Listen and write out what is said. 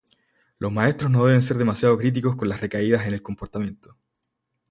Los maestros no deben ser demasiado críticos con las recaídas en el comportamiento.